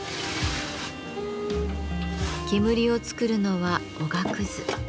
煙を作るのはおがくず。